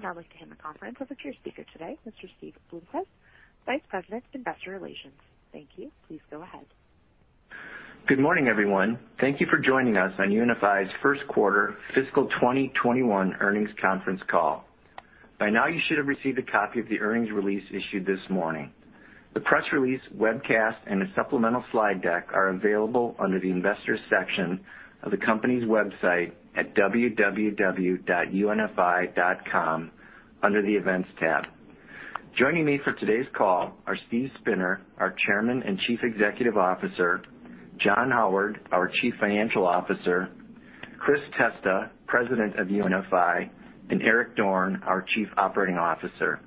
I would now like to hand the conference over to your speaker today, Mr. Steve Bloomquist, Vice President of Investor Relations. Thank you. Please go ahead. Good morning, everyone. Thank you for joining us on UNFI's First Quarter Fiscal 2021 Earnings Conference Call. By now, you should have received a copy of the earnings release issued this morning. The press release webcast and a supplemental slide deck are available under the Investors section of the company's website at www.unfi.com under the Events tab. Joining me for today's call are Steve Spinner, our Chairman and Chief Executive Officer, John Howard, our Chief Financial Officer, Chris Testa, President of UNFI, and Eric Dorne, our Chief Operating Officer.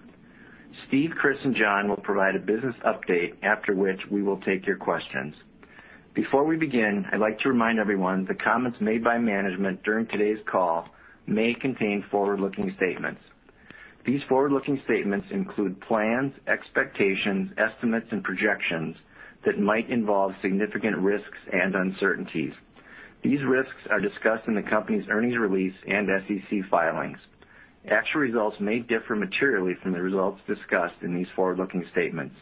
Steve, Chris, and John will provide a business update, after which we will take your questions. Before we begin, I'd like to remind everyone that comments made by management during today's call may contain forward-looking statements. These forward-looking statements include plans, expectations, estimates, and projections that might involve significant risks and uncertainties. These risks are discussed in the company's earnings release and SEC filings. Actual results may differ materially from the results discussed in these forward-looking statements.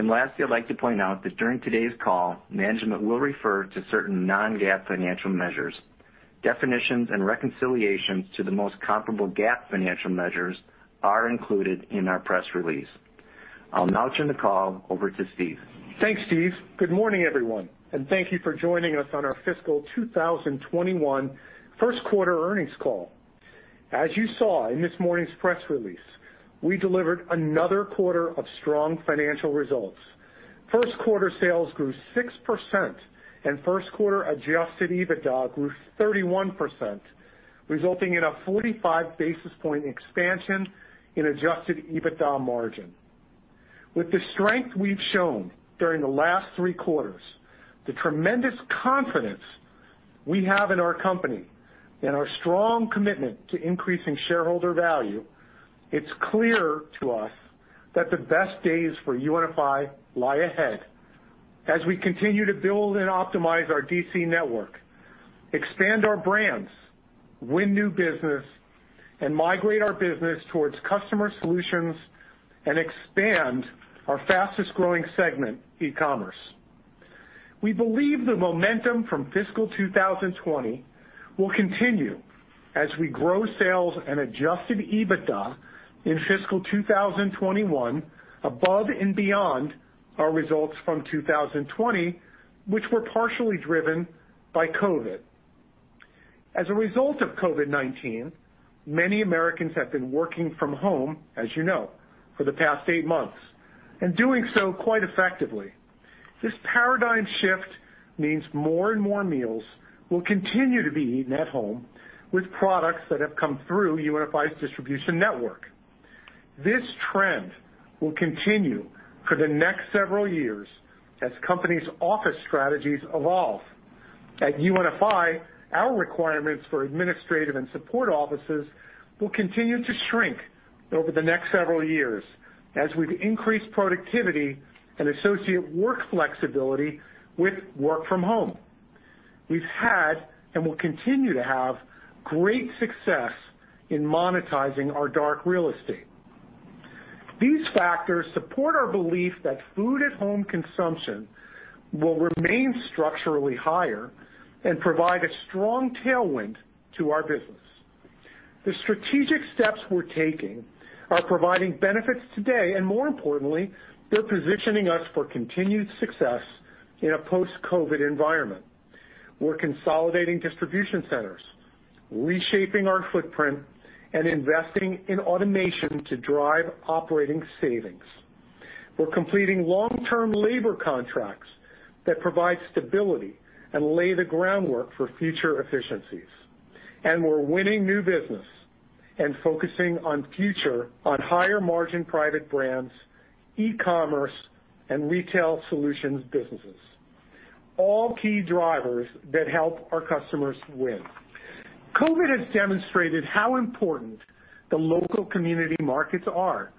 Lastly, I'd like to point out that during today's call, management will refer to certain non-GAAP financial measures. Definitions and reconciliations to the most comparable GAAP financial measures are included in our press release. I'll now turn the call over to Steve. Thanks, Steve. Good morning, everyone, and thank you for joining us on our fiscal 2021 first quarter earnings call. As you saw in this morning's press release, we delivered another quarter of strong financial results. First quarter sales grew 6%, and first quarter adjusted EBITDA grew 31%, resulting in a 45 basis point expansion in adjusted EBITDA margin. With the strength we've shown during the last three quarters, the tremendous confidence we have in our company, and our strong commitment to increasing shareholder value, it's clear to us that the best days for UNFI lie ahead. As we continue to build and optimize our DC network, expand our brands, win new business, and migrate our business towards customer solutions and expand our fastest-growing segment, e-commerce. We believe the momentum from fiscal 2020 will continue as we grow sales and adjusted EBITDA in fiscal 2021 above and beyond our results from 2020, which were partially driven by COVID. As a result of COVID-19, many Americans have been working from home, as you know, for the past eight months, and doing so quite effectively. This paradigm shift means more and more meals will continue to be eaten at home with products that have come through UNFI's distribution network. This trend will continue for the next several years as companies' office strategies evolve. At UNFI, our requirements for administrative and support offices will continue to shrink over the next several years as we've increased productivity and associate work flexibility with work from home. We've had, and will continue to have, great success in monetizing our dark real estate. These factors support our belief that food at-home consumption will remain structurally higher and provide a strong tailwind to our business. The strategic steps we're taking are providing benefits today, and more importantly, they're positioning us for continued success in a post-COVID environment. We're consolidating distribution centers, reshaping our footprint, and investing in automation to drive operating savings. We're completing long-term labor contracts that provide stability and lay the groundwork for future efficiencies. We're winning new business and focusing on future, on higher margin private brands, e-commerce, and retail solutions businesses, all key drivers that help our customers win. COVID has demonstrated how important the local community markets are,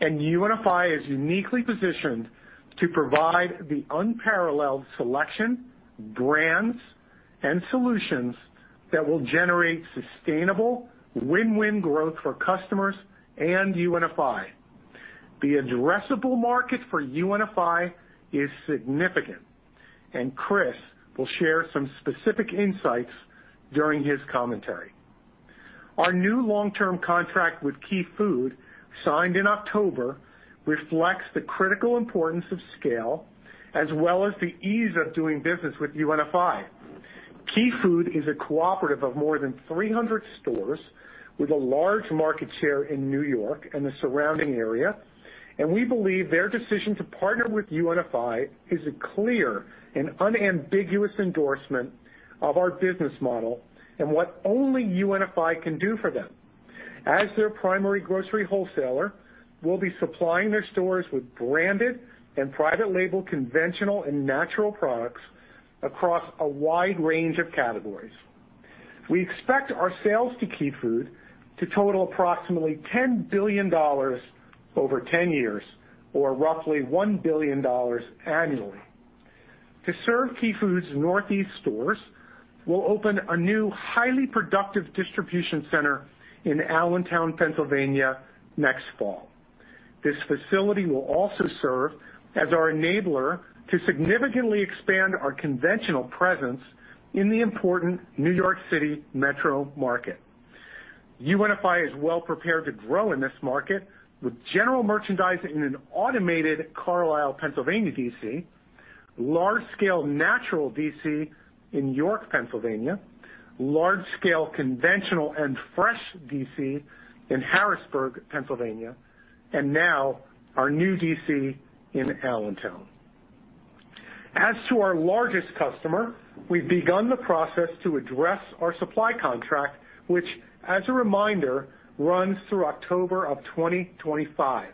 and UNFI is uniquely positioned to provide the unparalleled selection, brands, and solutions that will generate sustainable win-win growth for customers and UNFI. The addressable market for UNFI is significant, and Chris will share some specific insights during his commentary. Our new long-term contract with Key Food, signed in October, reflects the critical importance of scale, as well as the ease of doing business with UNFI. Key Food is a cooperative of more than 300 stores with a large market share in New York and the surrounding area. We believe their decision to partner with UNFI is a clear and unambiguous endorsement of our business model and what only UNFI can do for them. As their primary grocery wholesaler, we'll be supplying their stores with branded and private label conventional and natural products across a wide range of categories. We expect our sales to Key Food to total approximately $10 billion over 10 years, or roughly $1 billion annually. To serve Key Food's Northeast stores, we'll open a new, highly productive distribution center in Allentown, Pennsylvania, next fall. This facility will also serve as our enabler to significantly expand our conventional presence in the important New York City metro market. UNFI is well prepared to grow in this market with general merchandise in an automated Carlisle, Pennsylvania, DC, large scale natural DC in York, Pennsylvania, large scale conventional and fresh DC in Harrisburg, Pennsylvania, and now our new DC in Allentown. As to our largest customer, we've begun the process to address our supply contract, which, as a reminder, runs through October of 2025.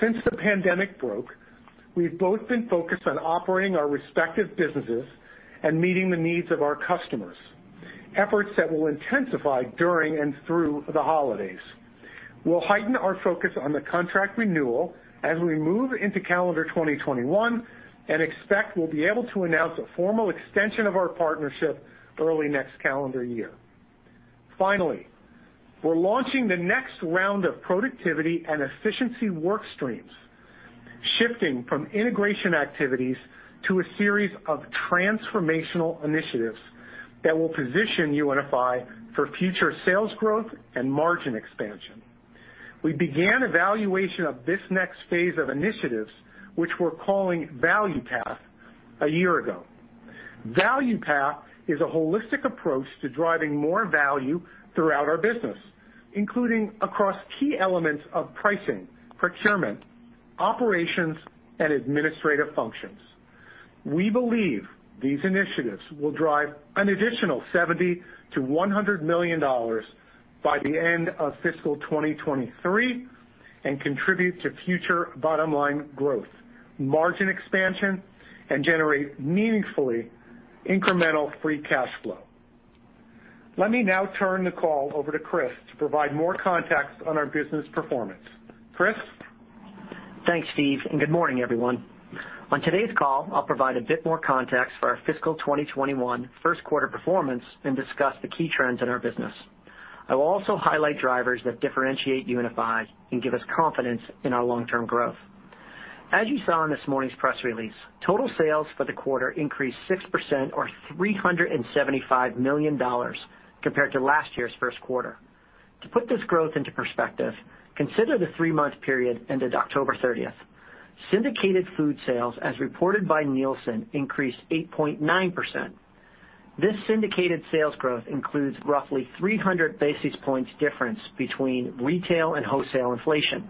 Since the pandemic broke, we've both been focused on operating our respective businesses and meeting the needs of our customers, efforts that will intensify during and through the holidays. We'll heighten our focus on the contract renewal as we move into calendar 2021 and expect we'll be able to announce a formal extension of our partnership early next calendar year. Finally, we're launching the next round of productivity and efficiency work streams, shifting from integration activities to a series of transformational initiatives that will position UNFI for future sales growth and margin expansion. We began evaluation of this next phase of initiatives, which we're calling ValuePath, a year ago. ValuePath is a holistic approach to driving more value throughout our business, including across key elements of pricing, procurement, operations, and administrative functions. We believe these initiatives will drive an additional $70 million-$100 million by the end of fiscal 2023 and contribute to future bottom-line growth, margin expansion, and generate meaningfully incremental free cash flow. Let me now turn the call over to Chris to provide more context on our business performance. Chris? Thanks, Steve. Good morning, everyone. On today's call, I'll provide a bit more context for our fiscal 2021 first quarter performance and discuss the key trends in our business. I will also highlight drivers that differentiate UNFI and give us confidence in our long term growth. As you saw in this morning's press release, total sales for the quarter increased 6% or $375 million compared to last year's first quarter. To put this growth into perspective, consider the three-month period ended October 30th. Syndicated food sales, as reported by Nielsen, increased 8.9%. This syndicated sales growth includes roughly 300 basis points difference between retail and wholesale inflation.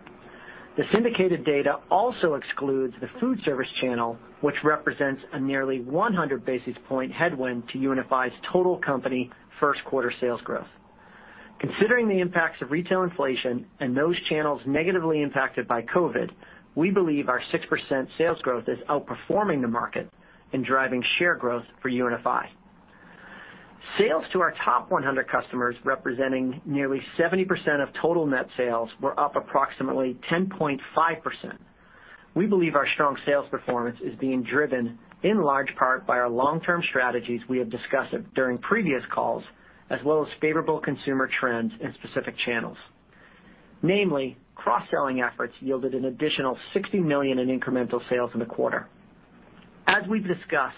The syndicated data also excludes the food service channel, which represents a nearly 100 basis point headwind to UNFI's total company first quarter sales growth. Considering the impacts of retail inflation and those channels negatively impacted by COVID, we believe our 6% sales growth is outperforming the market and driving share growth for UNFI. Sales to our top 100 customers, representing nearly 70% of total net sales, were up approximately 10.5%. We believe our strong sales performance is being driven in large part by our long term strategies we have discussed during previous calls, as well as favorable consumer trends in specific channels. Namely, cross-selling efforts yielded an additional $60 million in incremental sales in the quarter. As we've discussed,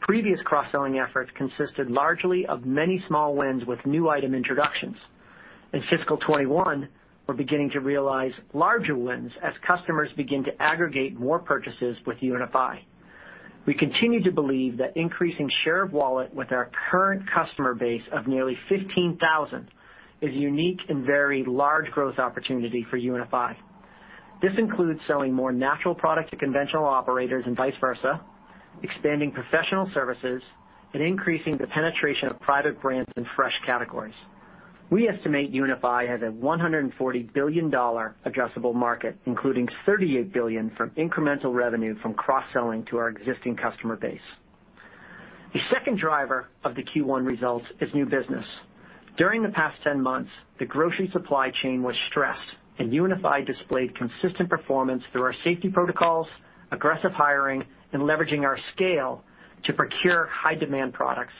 previous cross-selling efforts consisted largely of many small wins with new item introductions. In fiscal 2021, we're beginning to realize larger wins as customers begin to aggregate more purchases with UNFI. We continue to believe that increasing share of wallet with our current customer base of nearly 15,000 is a unique and very large growth opportunity for UNFI. This includes selling more natural product to conventional operators and vice versa, expanding professional services, and increasing the penetration of private brands in fresh categories. We estimate UNFI has a $140 billion addressable market, including $38 billion from incremental revenue from cross-selling to our existing customer base. The second driver of the Q1 results is new business. During the past 10 months, the grocery supply chain was stressed, and UNFI displayed consistent performance through our safety protocols, aggressive hiring, and leveraging our scale to procure high-demand products.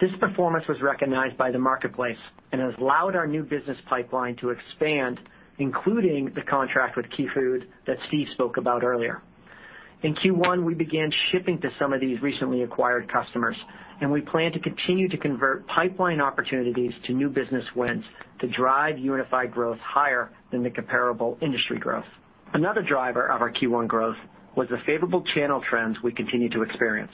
This performance was recognized by the marketplace and has allowed our new business pipeline to expand, including the contract with Key Food that Steve spoke about earlier. In Q1, we began shipping to some of these recently acquired customers. We plan to continue to convert pipeline opportunities to new business wins to drive UNFI growth higher than the comparable industry growth. Another driver of our Q1 growth was the favorable channel trends we continue to experience.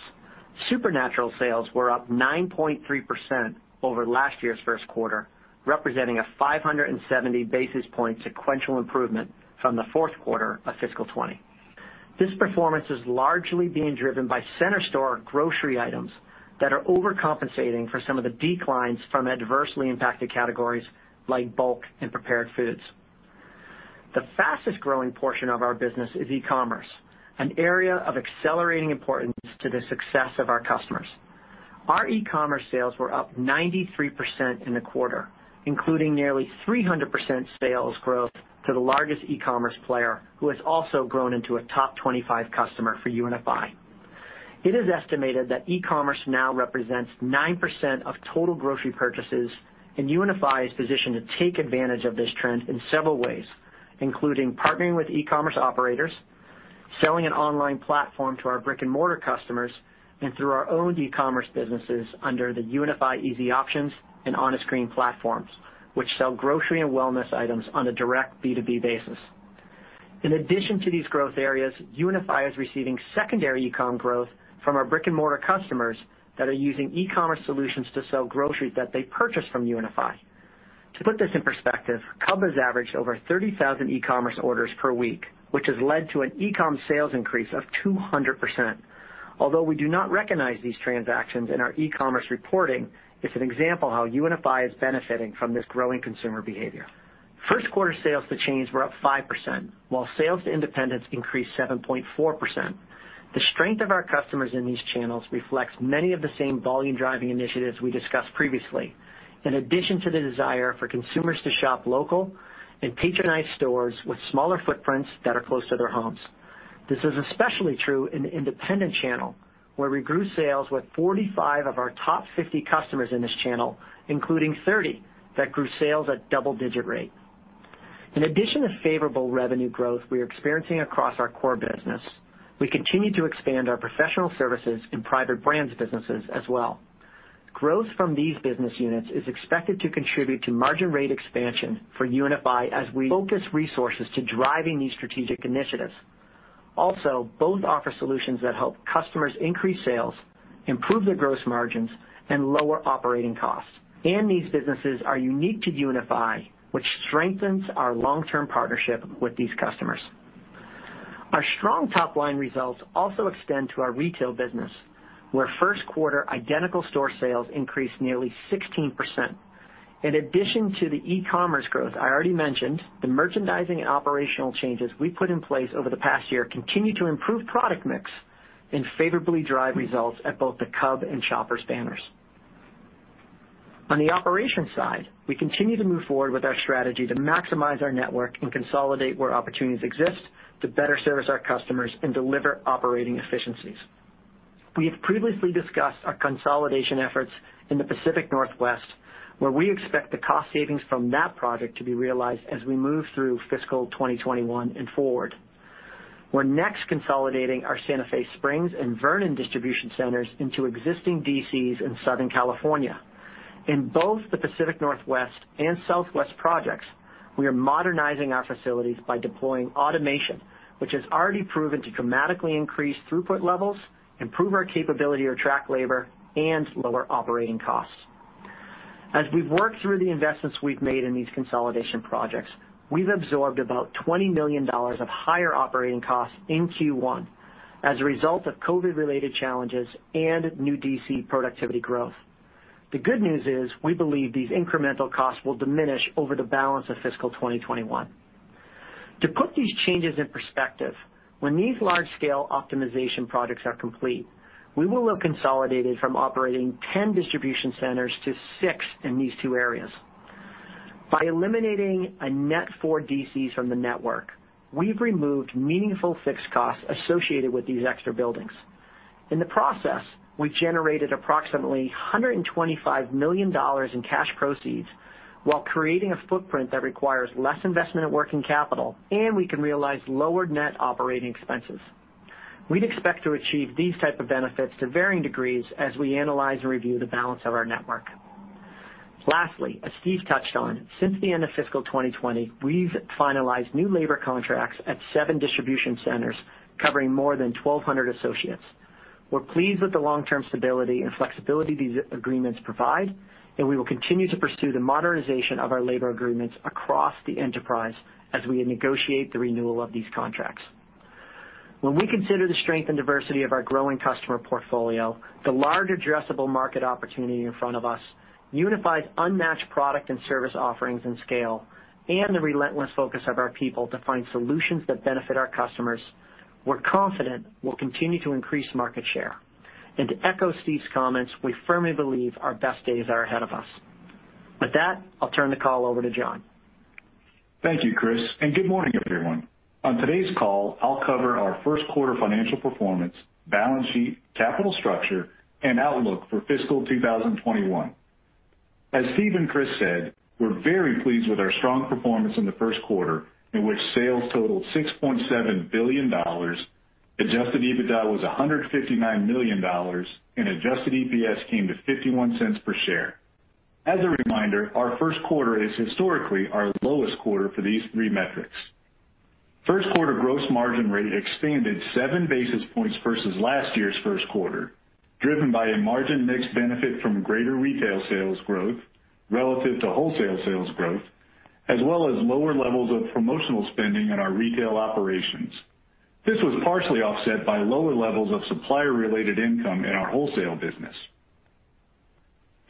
Supernatural sales were up 9.3% over last year's first quarter, representing a 570 basis point sequential improvement from the fourth quarter of fiscal 2020. This performance is largely being driven by center store grocery items that are overcompensating for some of the declines from adversely impacted categories like bulk and prepared foods. The fastest growing portion of our business is e-commerce, an area of accelerating importance to the success of our customers. Our e-commerce sales were up 93% in the quarter, including nearly 300% sales growth to the largest e-commerce player, who has also grown into a top 25 customer for UNFI. It is estimated that e-commerce now represents 9% of total grocery purchases, and UNFI is positioned to take advantage of this trend in several ways, including partnering with e-commerce operators, selling an online platform to our brick-and-mortar customers, and through our own e-commerce businesses under the UNFI Easy Options and Honest Green platforms, which sell grocery and wellness items on a direct B2B basis. In addition to these growth areas, UNFI is receiving secondary e-com growth from our brick-and-mortar customers that are using e-commerce solutions to sell groceries that they purchase from UNFI. To put this in perspective, Cub has averaged over 30,000 e-commerce orders per week, which has led to an e-com sales increase of 200%. Although we do not recognize these transactions in our e-commerce reporting, it's an example how UNFI is benefiting from this growing consumer behavior. First quarter sales to chains were up 5%, while sales to independents increased 7.4%. The strength of our customers in these channels reflects many of the same volume-driving initiatives we discussed previously, in addition to the desire for consumers to shop local and patronize stores with smaller footprints that are close to their homes. This is especially true in the independent channel, where we grew sales with 45 of our top 50 customers in this channel, including 30 that grew sales at double-digit rate. In addition to favorable revenue growth we are experiencing across our core business, we continue to expand our professional services and private brands businesses as well. Growth from these business units is expected to contribute to margin rate expansion for UNFI as we focus resources to driving these strategic initiatives. Both offer solutions that help customers increase sales, improve their gross margins, and lower operating costs. These businesses are unique to UNFI, which strengthens our long-term partnership with these customers. Our strong top-line results also extend to our retail business, where first quarter identical store sales increased nearly 16%. In addition to the e-commerce growth I already mentioned, the merchandising and operational changes we put in place over the past year continue to improve product mix and favorably drive results at both the Cub and Shoppers banners. On the operations side, we continue to move forward with our strategy to maximize our network and consolidate where opportunities exist to better service our customers and deliver operating efficiencies. We have previously discussed our consolidation efforts in the Pacific Northwest, where we expect the cost savings from that project to be realized as we move through fiscal 2021 and forward. We're next consolidating our Santa Fe Springs and Vernon distribution centers into existing DCs in Southern California. In both the Pacific Northwest and Southwest projects, we are modernizing our facilities by deploying automation, which has already proven to dramatically increase throughput levels, improve our capability to track labor, and lower operating costs. As we've worked through the investments we've made in these consolidation projects, we've absorbed about $20 million of higher operating costs in Q1 as a result of COVID-related challenges and new DC productivity growth. The good news is, we believe these incremental costs will diminish over the balance of fiscal 2021. To put these changes in perspective, when these large-scale optimization projects are complete, we will have consolidated from operating 10 distribution centers to six in these two areas. By eliminating a net four DCs from the network, we've removed meaningful fixed costs associated with these extra buildings. In the process, we generated approximately $125 million in cash proceeds while creating a footprint that requires less investment in working capital, and we can realize lower net operating expenses. We'd expect to achieve these type of benefits to varying degrees as we analyze and review the balance of our network. Lastly, as Steve touched on, since the end of fiscal 2020, we've finalized new labor contracts at seven distribution centers covering more than 1,200 associates. We're pleased with the long-term stability and flexibility these agreements provide, and we will continue to pursue the modernization of our labor agreements across the enterprise as we negotiate the renewal of these contracts. When we consider the strength and diversity of our growing customer portfolio, the large addressable market opportunity in front of us, UNFI's unmatched product and service offerings and scale, and the relentless focus of our people to find solutions that benefit our customers, we're confident we'll continue to increase market share. To echo Steve's comments, we firmly believe our best days are ahead of us. With that, I'll turn the call over to John. Thank you, Chris, and good morning, everyone. On today's call, I'll cover our first quarter financial performance, balance sheet, capital structure, and outlook for fiscal 2021. As Steve and Chris said, we're very pleased with our strong performance in the first quarter, in which sales totaled $6.7 billion, adjusted EBITDA was $159 million, and adjusted EPS came to $0.51 per share. As a reminder, our first quarter is historically our lowest quarter for these three metrics. First quarter gross margin rate expanded 7 basis points versus last year's first quarter, driven by a margin mix benefit from greater retail sales growth relative to wholesale sales growth, as well as lower levels of promotional spending in our retail operations. This was partially offset by lower levels of supplier-related income in our wholesale business.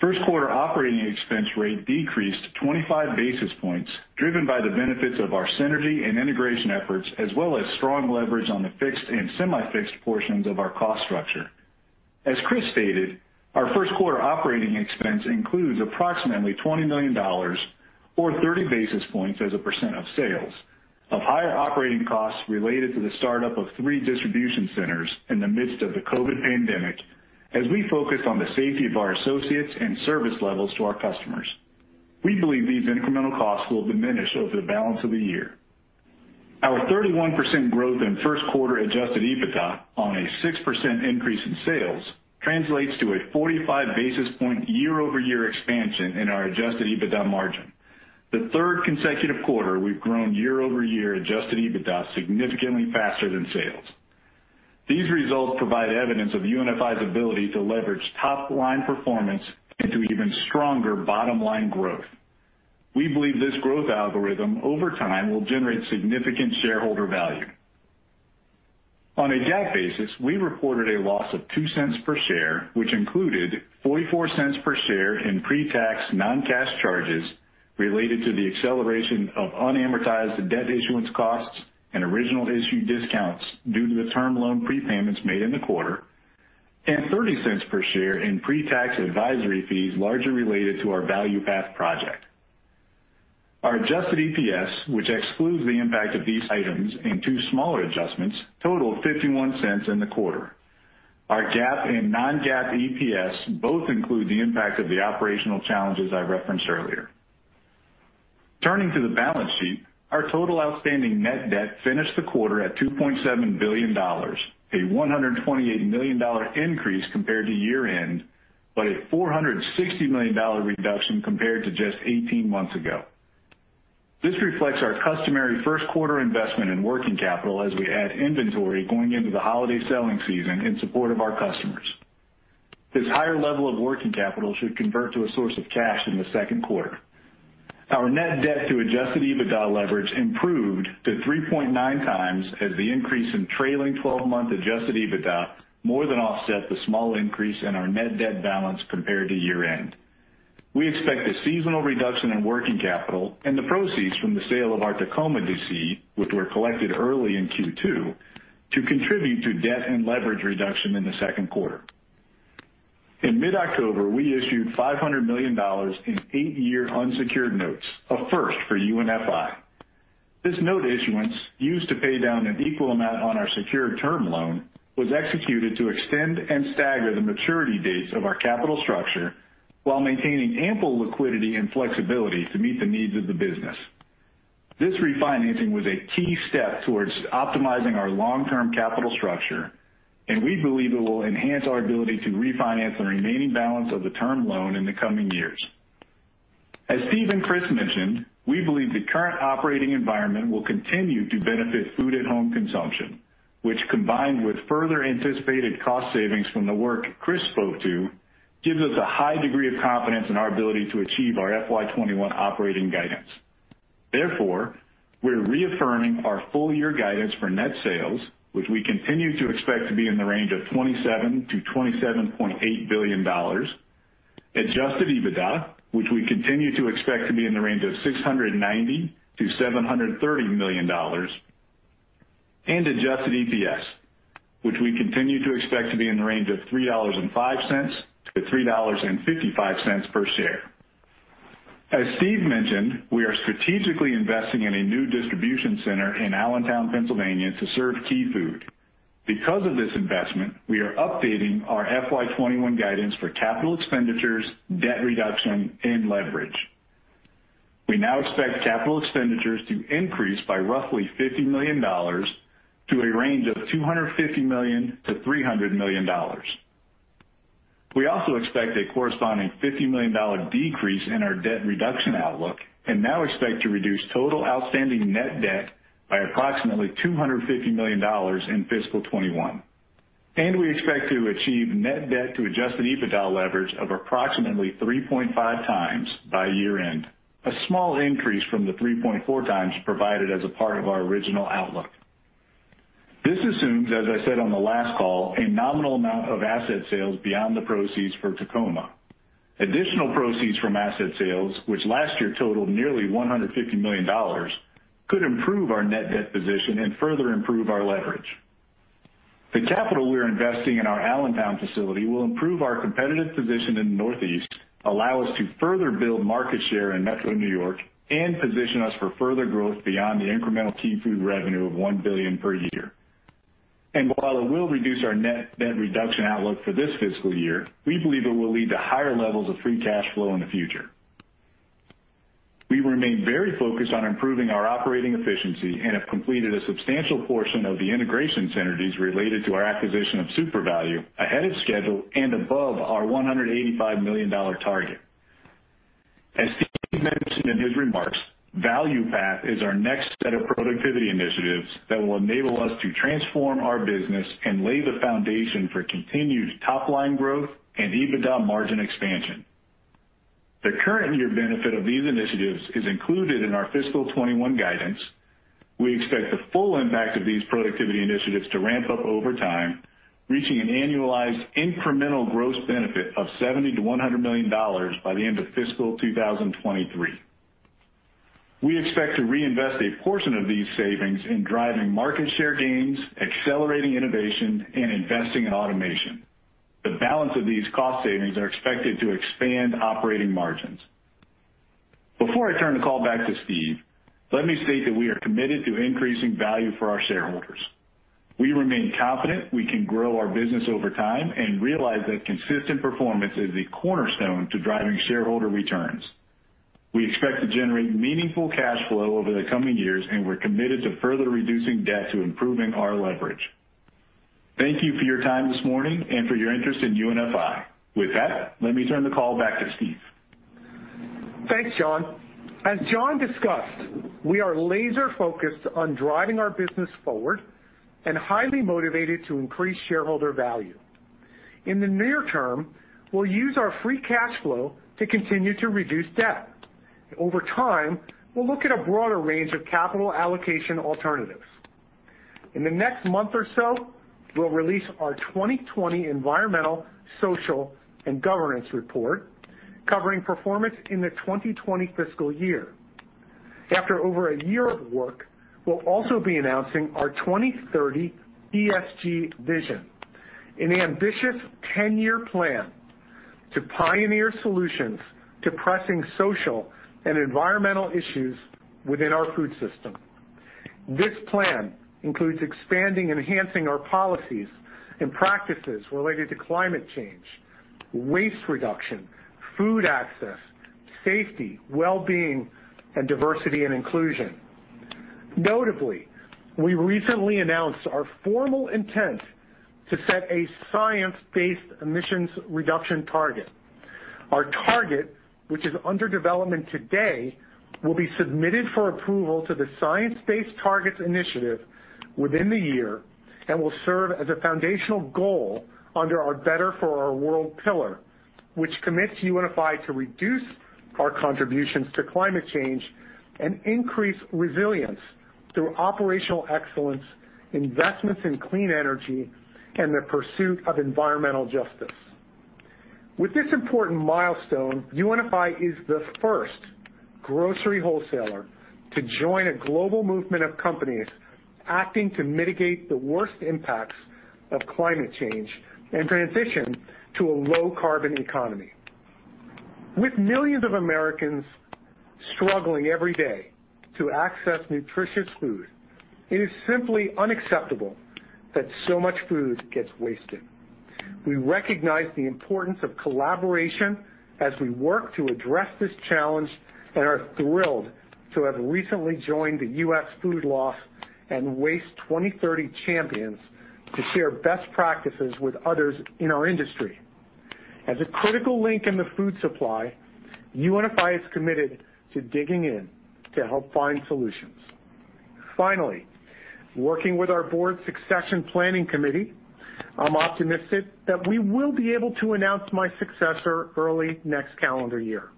First quarter operating expense rate decreased 25 basis points, driven by the benefits of our synergy and integration efforts, as well as strong leverage on the fixed and semi-fixed portions of our cost structure. As Chris stated, our first quarter operating expense includes approximately $20 million, or 30 basis points as a percent of sales, of higher operating costs related to the start-up of three distribution centers in the midst of the COVID pandemic, as we focused on the safety of our associates and service levels to our customers. We believe these incremental costs will diminish over the balance of the year. Our 31% growth in first quarter adjusted EBITDA on a 6% increase in sales translates to a 45 basis point year-over-year expansion in our adjusted EBITDA margin, the third consecutive quarter we've grown year-over-year adjusted EBITDA significantly faster than sales. These results provide evidence of UNFI's ability to leverage top-line performance into even stronger bottom-line growth. We believe this growth algorithm, over time, will generate significant shareholder value. On a GAAP basis, we reported a loss of $0.02 per share, which included $0.44 per share in pre-tax non-cash charges related to the acceleration of unamortized debt issuance costs and original issue discounts due to the term loan prepayments made in the quarter, and $0.30 per share in pre-tax advisory fees largely related to our ValuePath project. Our adjusted EPS, which excludes the impact of these items and two smaller adjustments, totaled $0.51 in the quarter. Our GAAP and non-GAAP EPS both include the impact of the operational challenges I referenced earlier. Turning to the balance sheet, our total outstanding net debt finished the quarter at $2.7 billion, a $128 million increase compared to year-end, but a $460 million reduction compared to just 18 months ago. This reflects our customary first quarter investment in working capital as we add inventory going into the holiday selling season in support of our customers. This higher level of working capital should convert to a source of cash in the second quarter. Our net debt to adjusted EBITDA leverage improved to 3.9x as the increase in trailing 12-month adjusted EBITDA more than offset the small increase in our net debt balance compared to year-end. We expect a seasonal reduction in working capital and the proceeds from the sale of our Tacoma DC, which were collected early in Q2, to contribute to debt and leverage reduction in the second quarter. In mid-October, we issued $500 million in eight-year unsecured notes, a first for UNFI. This note issuance, used to pay down an equal amount on our secured term loan, was executed to extend and stagger the maturity dates of our capital structure while maintaining ample liquidity and flexibility to meet the needs of the business. This refinancing was a key step towards optimizing our long-term capital structure, and we believe it will enhance our ability to refinance the remaining balance of the term loan in the coming years. As Steve and Chris mentioned, we believe the current operating environment will continue to benefit food-at-home consumption, which, combined with further anticipated cost savings from the work Chris spoke to, gives us a high degree of confidence in our ability to achieve our FY 2021 operating guidance. Therefore, we're reaffirming our full year guidance for net sales, which we continue to expect to be in the range of $27 billion-$27.8 billion, adjusted EBITDA, which we continue to expect to be in the range of $690 million-$730 million, and adjusted EPS, which we continue to expect to be in the range of $3.05-$3.55 per share. As Steve mentioned, we are strategically investing in a new distribution center in Allentown, Pennsylvania, to serve Key Food. Because of this investment, we are updating our FY 2021 guidance for capital expenditures, debt reduction, and leverage. We now expect capital expenditures to increase by roughly $50 million to a range of $250 million-$300 million. We also expect a corresponding $50 million decrease in our debt reduction outlook and now expect to reduce total outstanding net debt by approximately $250 million in FY 2021. We expect to achieve net debt to adjusted EBITDA leverage of approximately 3.5x by year-end, a small increase from the 3.4x provided as a part of our original outlook. This assumes, as I said on the last call, a nominal amount of asset sales beyond the proceeds for Tacoma. Additional proceeds from asset sales, which last year totaled nearly $150 million, could improve our net debt position and further improve our leverage. The capital we're investing in our Allentown facility will improve our competitive position in the Northeast, allow us to further build market share in Metro New York, and position us for further growth beyond the incremental Key Food revenue of $1 billion per year. While it will reduce our net debt reduction outlook for this fiscal year, we believe it will lead to higher levels of free cash flow in the future. We remain very focused on improving our operating efficiency and have completed a substantial portion of the integration synergies related to our acquisition of SUPERVALU ahead of schedule and above our $185 million target. As Steve mentioned in his remarks, ValuePath is our next set of productivity initiatives that will enable us to transform our business and lay the foundation for continued top-line growth and EBITDA margin expansion. The current year benefit of these initiatives is included in our fiscal 2021 guidance. We expect the full impact of these productivity initiatives to ramp up over time, reaching an annualized incremental gross benefit of $70 million-$100 million by the end of fiscal 2023. We expect to reinvest a portion of these savings in driving market share gains, accelerating innovation, and investing in automation. The balance of these cost savings are expected to expand operating margins. Before I turn the call back to Steve, let me state that we are committed to increasing value for our shareholders. We remain confident we can grow our business over time and realize that consistent performance is a cornerstone to driving shareholder returns. We expect to generate meaningful cash flow over the coming years, and we're committed to further reducing debt to improving our leverage. Thank you for your time this morning and for your interest in UNFI. With that, let me turn the call back to Steve. Thanks, John. As John discussed, we are laser focused on driving our business forward and highly motivated to increase shareholder value. In the near term, we'll use our free cash flow to continue to reduce debt. Over time, we'll look at a broader range of capital allocation alternatives. In the next month or so, we'll release our 2020 environmental, social, and governance report covering performance in the 2020 fiscal year. After over a year of work, we'll also be announcing our 2030 ESG vision, an ambitious 10-year plan to pioneer solutions to pressing social and environmental issues within our food system. This plan includes expanding and enhancing our policies and practices related to climate change, waste reduction, food access, safety, well-being, and diversity and inclusion. Notably, we recently announced our formal intent to set a science-based emissions reduction target. Our target, which is under development today, will be submitted for approval to the Science Based Targets initiative within the year and will serve as a foundational goal under our Better for Our World pillar, which commits UNFI to reduce our contributions to climate change and increase resilience through operational excellence, investments in clean energy, and the pursuit of environmental justice. With this important milestone, UNFI is the first grocery wholesaler to join a global movement of companies acting to mitigate the worst impacts of climate change and transition to a low carbon economy. With millions of Americans struggling every day to access nutritious food, it is simply unacceptable that so much food gets wasted. We recognize the importance of collaboration as we work to address this challenge and are thrilled to have recently joined the U.S. Food Loss and Waste 2030 Champions to share best practices with others in our industry. As a critical link in the food supply, UNFI is committed to digging in to help find solutions. Finally, working with our board succession planning committee, I'm optimistic that we will be able to announce my successor early next calendar year.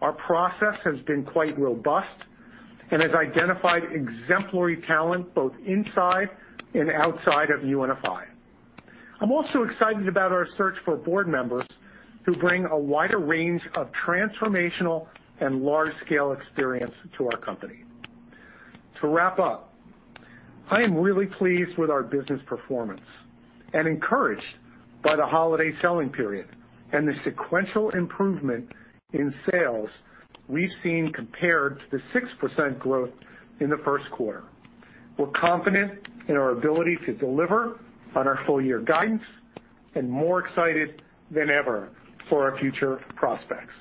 Our process has been quite robust and has identified exemplary talent both inside and outside of UNFI. I'm also excited about our search for board members to bring a wider range of transformational and large-scale experience to our company. To wrap up, I am really pleased with our business performance and encouraged by the holiday selling period and the sequential improvement in sales we've seen compared to the 6% growth in the first quarter. We're confident in our ability to deliver on our full year guidance and more excited than ever for our future prospects.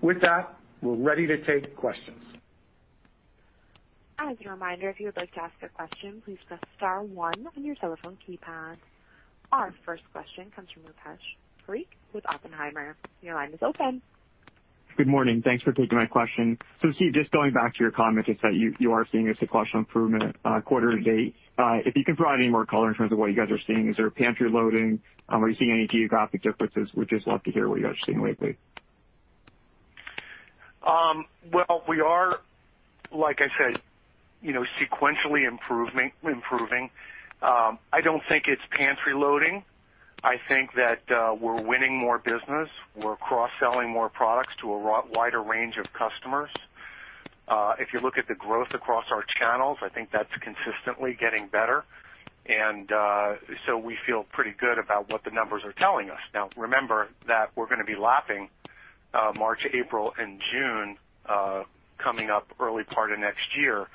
With that, we're ready to take questions. As a reminder, if you would like to ask a question, please press star one on your telephone keypad. Our first question comes from Rupesh Parikh with Oppenheimer. Your line is open. Good morning. Thanks for taking my question. Steve, just going back to your comments, is that you are seeing a sequential improvement quarter-to-date. If you can provide any more color in terms of what you guys are seeing. Is there pantry loading? Are you seeing any geographic differences? Would just love to hear what you guys are seeing lately. Well, we are, like I said, sequentially improving. I don't think it's pantry loading. I think that we're winning more business. We're cross-selling more products to a wider range of customers. If you look at the growth across our channels, I think that's consistently getting better. We feel pretty good about what the numbers are telling us. Now, remember that we're going to be lapping March, April, and June, coming up early part of next year,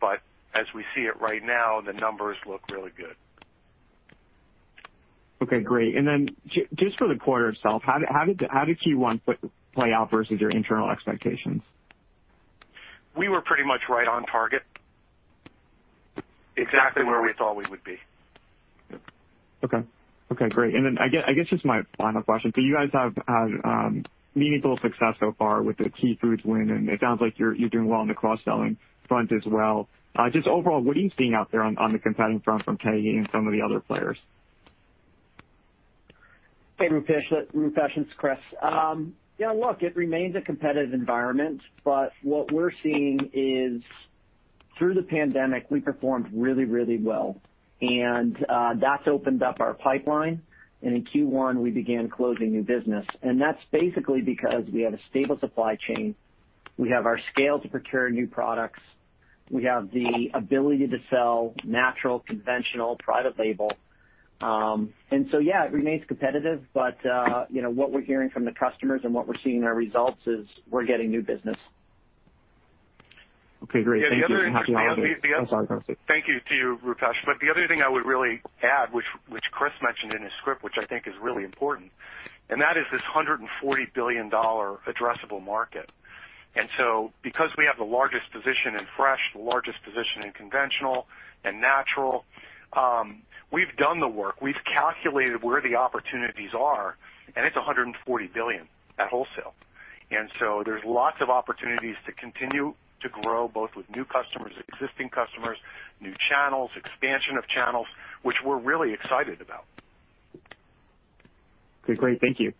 but as we see it right now, the numbers look really good. Okay, great. Just for the quarter itself, how did Q1 play out versus your internal expectations? We were pretty much right on target. Exactly where we thought we would be. Okay. Great. I guess just my final question. You guys have had meaningful success so far with the Key Food win, and it sounds like you're doing well on the cross-selling front as well. Just overall, what are you seeing out there on the competing front from Key Food and some of the other players? Hey, Rupesh. It's Chris. Look, it remains a competitive environment. What we're seeing is through the pandemic, we performed really, really well, and that's opened up our pipeline. In Q1, we began closing new business. That's basically because we have a stable supply chain. We have our scale to procure new products. We have the ability to sell natural, conventional, private label. So, yeah, it remains competitive, but what we're hearing from the customers and what we're seeing in our results is we're getting new business. Okay, great. Thank you. The other thing, Chris... I'm sorry. Go ahead, Steve. Thank you to you, Rupesh. The other thing I would really add, which Chris mentioned in his script, which I think is really important, and that is this $140 billion addressable market. Because we have the largest position in Fresh, the largest position in Conventional and Natural- we've done the work. We've calculated where the opportunities are, and it's $140 billion at wholesale. There's lots of opportunities to continue to grow, both with new customers, existing customers, new channels, expansion of channels, which we're really excited about. Okay, great. Thank you.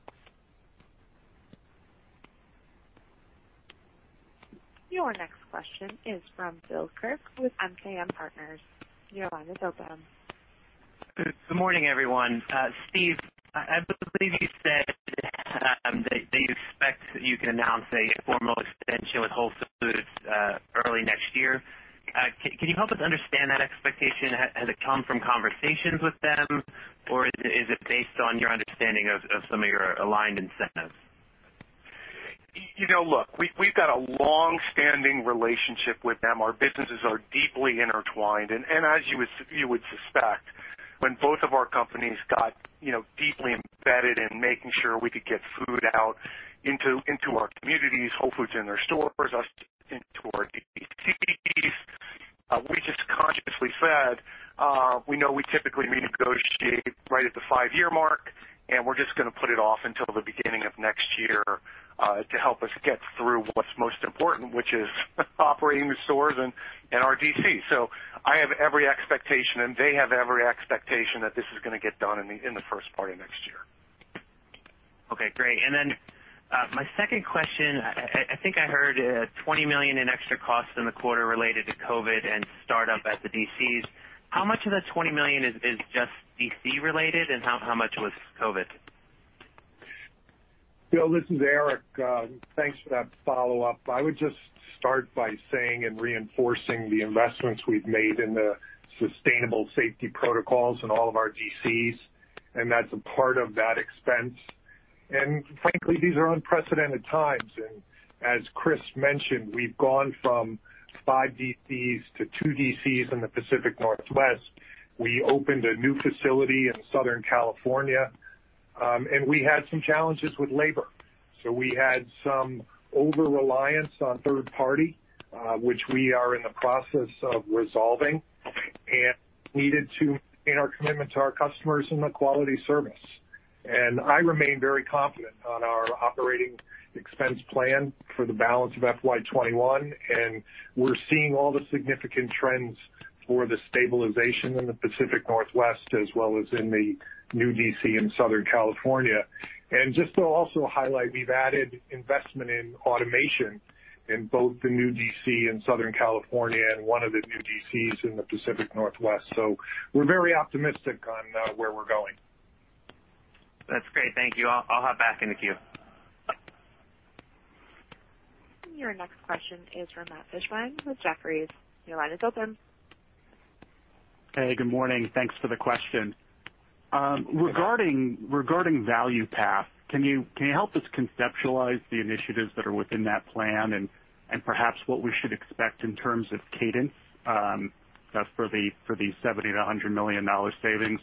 Your next question is from Bill Kirk with MKM Partners. Your line is open. Good morning, everyone. Steve, I believe you said that you expect that you can announce a formal extension with Whole Foods early next year. Can you help us understand that expectation? Has it come from conversations with them, or is it based on your understanding of some of your aligned incentives? Look, we've got a long-standing relationship with them. Our businesses are deeply intertwined. As you would suspect, when both of our companies got deeply embedded in making sure we could get food out into our communities- Whole Foods in their stores, us into our DCs, we just consciously said, we know we typically renegotiate right at the five-year mark, and we're just going to put it off until the beginning of next year to help us get through what's most important, which is operating the stores and our DC. I have every expectation, and they have every expectation that this is going to get done in the first part of next year. Okay, great. Then, my second question, I think I heard $20 million in extra costs in the quarter related to COVID and startup at the DCs. How much of that $20 million is just DC related, and how much was COVID? Bill, this is Eric. Thanks for that follow-up. I would just start by saying and reinforcing the investments we've made in the sustainable safety protocols in all of our DCs, and that's a part of that expense. Frankly, these are unprecedented times. As Chris mentioned, we've gone from five DCs to two DCs in the Pacific Northwest. We opened a new facility in Southern California, and we had some challenges with labor. We had some overreliance on third party, which we are in the process of resolving, and needed to maintain our commitment to our customers in the quality service. I remain very confident on our operating expense plan for the balance of FY 2021, and we're seeing all the significant trends for the stabilization in the Pacific Northwest, as well as in the new DC in Southern California. Just to also highlight, we've added investment in automation in both the new DC in Southern California and one of the new DCs in the Pacific Northwest. We're very optimistic on where we're going. That's great. Thank you. I'll hop back in the queue. Your next question is from Matt Fishbein with Jefferies. Your line is open. Hey, good morning. Thanks for the question. Regarding ValuePath, can you help us conceptualize the initiatives that are within that plan and perhaps what we should expect in terms of cadence for the $70 million-$100 million savings?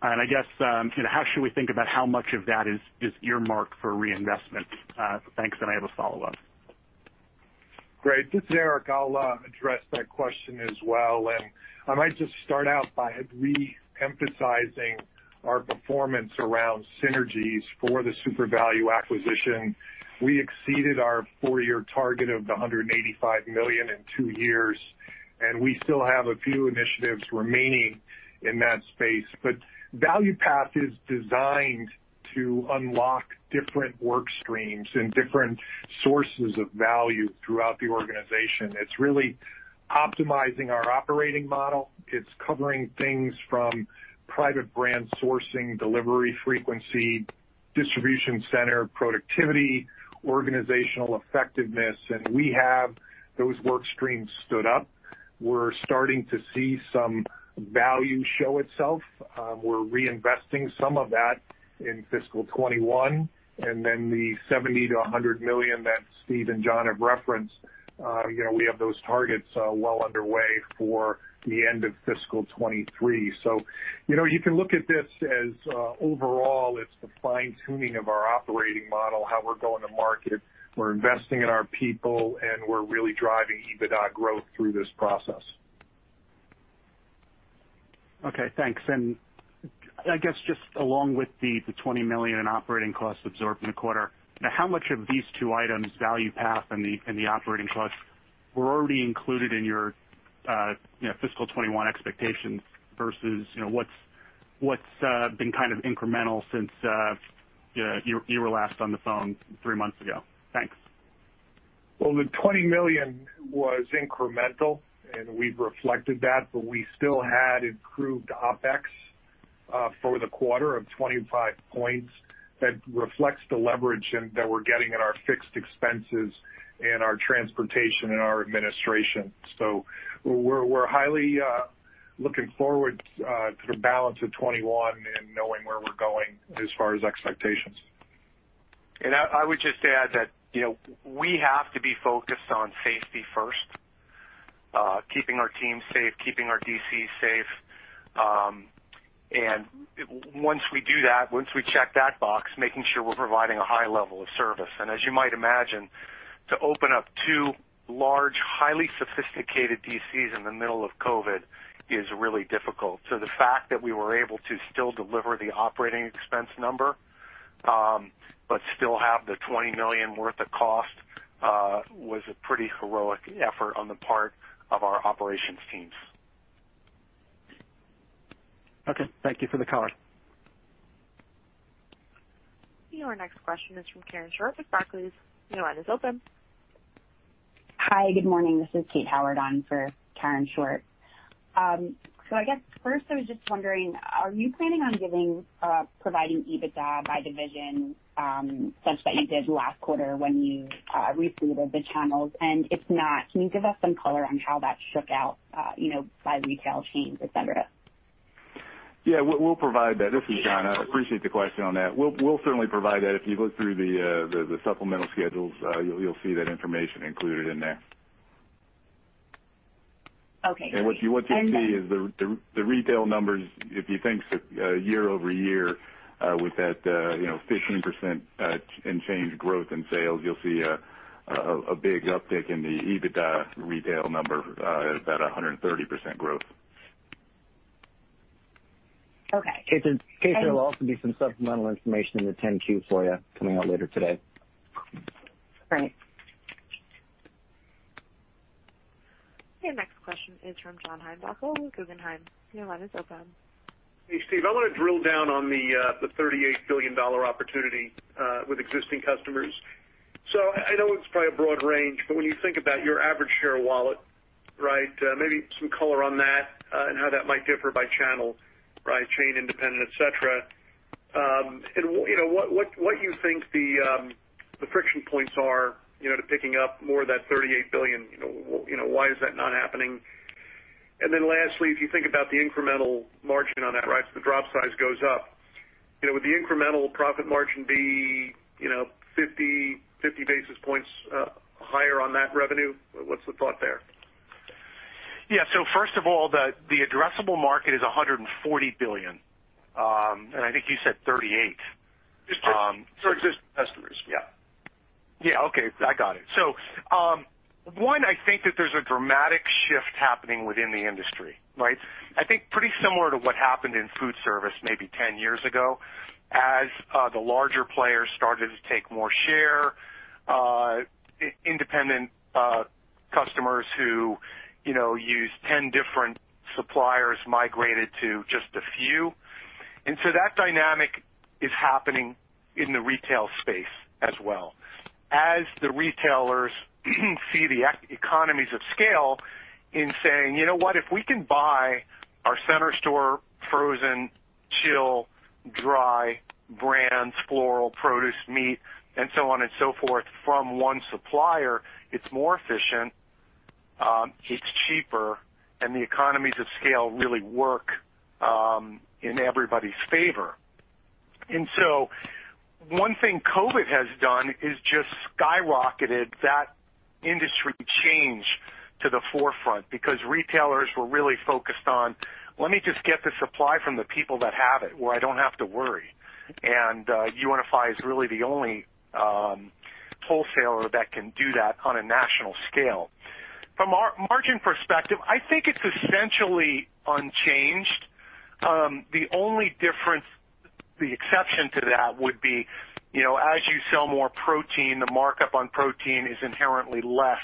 I guess, how should we think about how much of that is earmarked for reinvestment? Thanks. I have a follow-up. Great. This is Eric. I'll address that question as well. I might just start out by reemphasizing our performance around synergies for the SUPERVALU acquisition. We exceeded our four-year target of the $185 million in two years, and we still have a few initiatives remaining in that space. ValuePath is designed to unlock different work streams and different sources of value throughout the organization. It's really optimizing our operating model. It's covering things from private brand sourcing, delivery frequency, distribution center productivity, organizational effectiveness, and we have those work streams stood up. We're starting to see some value show itself. We're reinvesting some of that in fiscal 2021. The $70 million-$100 million that Steve and John have referenced, we have those targets well underway for the end of fiscal 2023. You can look at this as overall, it's the fine-tuning of our operating model, how we're going to market. We're investing in our people, and we're really driving EBITDA growth through this process. Okay, thanks. I guess just along with the $20 million in operating costs absorbed in the quarter, how much of these two items- ValuePath and the operating costs- were already included in your fiscal 2021 expectations versus what's been kind of incremental since you were last on the phone three months ago? Thanks. The $20 million was incremental, and we've reflected that, but we still had improved OpEx for the quarter of 25 points. That reflects the leverage that we're getting in our fixed expenses and our transportation and our administration. We're highly looking forward to the balance of 2021 and knowing where we're going as far as expectations. I would just add that we have to be focused on safety first, keeping our team safe, keeping our DCs safe. Once we do that, once we check that box, making sure we're providing a high level of service. As you might imagine, to open up two large, highly sophisticated DCs in the middle of COVID is really difficult. The fact that we were able to still deliver the operating expense number, but still have the $20 million worth of cost, was a pretty heroic effort on the part of our operations teams. Okay. Thank you for the color. Your next question is from Karen Short with Barclays. Your line is open. Hi, good morning. This is Cait Howard on for Karen Short. I guess first I was just wondering, are you planning on providing EBITDA by division, such that you did last quarter when you restated the channels? If not, can you give us some color on how that shook out by retail chains, et cetera? Yeah, we'll provide that. This is John. I appreciate the question on that. We'll certainly provide that. If you look through the supplemental schedules, you'll see that information included in there. Okay. What you'll see is the retail numbers, if you think year-over-year with that 15% and change growth in sales, you'll see a big uptick in the EBITDA retail number at about 130% growth. Okay. Cait, there will also be some supplemental information in the 10-Q for you coming out later today. Great. Next question is from John Heinbockel with Guggenheim. Your line is open. I want to drill down on the $38 billion opportunity with existing customers. I know it's probably a broad range, but when you think about your average share wallet, maybe some color on that and how that might differ by channel, chain, independent, et cetera. What you think the friction points are to picking up more of that $38 billion? Why is that not happening? Lastly, if you think about the incremental margin on that, so the drop size goes up. Would the incremental profit margin be 50 basis points higher on that revenue? What's the thought there? Yeah. First of all, the addressable market is $140 billion. I think you said $38. For existing customers, yeah. Yeah. Okay. I got it. One, I think that there's a dramatic shift happening within the industry. I think pretty similar to what happened in food service maybe 10 years ago as the larger players started to take more share. Independent customers who use 10 different suppliers migrated to just a few. That dynamic is happening in the retail space as well. As the retailers see the economies of scale in saying, "You know what? If we can buy our center store frozen, chill, dry, brands, floral, produce, meat, and so on and so forth from one supplier, it's more efficient, it's cheaper, and the economies of scale really work in everybody's favor." One thing COVID has done is just skyrocketed that industry change to the forefront because retailers were really focused on, "Let me just get the supply from the people that have it, where I don't have to worry." UNFI is really the only wholesaler that can do that on a national scale. From a margin perspective, I think it's essentially unchanged. The only difference, the exception to that would be, as you sell more protein, the markup on protein is inherently less